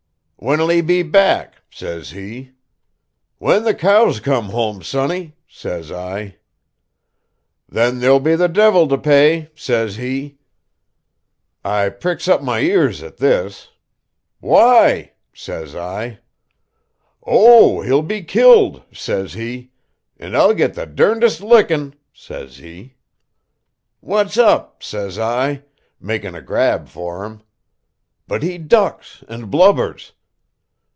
'When'll he be back?' says he. 'When the cows come home, sonny,' says I. 'Then there'll be the divil to pay,' says he. I pricks up my ears at this. 'Why?' says I. 'Oh, he'll be killed,' says he, 'and I'll git the derndest lickin',' says he. 'What's up?' says I, makin' a grab for him. But he ducks an' blubbers.